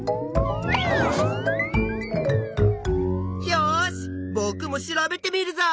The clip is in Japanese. よしぼくも調べてみるぞ！